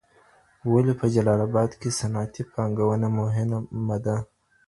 ولي په جلال اباد کي صنعتي پانګونه مهمه ده؟